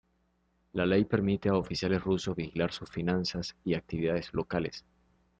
La ley permite a oficiales rusos vigilar sus finanzas y actividades locales.